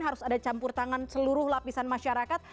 harus ada campur tangan seluruh lapisan masyarakat